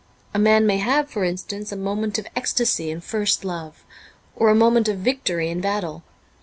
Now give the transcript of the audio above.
A man may have, for instance, a moment of ecstasy in first love, or a moment of victory in battle.